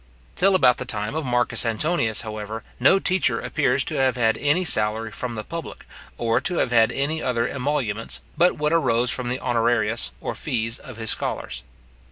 Till about the time of Marcus Antoninus, however, no teacher appears to have had any salary from the public, or to have had any other emoluments, but what arose from the honorarius or fees of his scholars.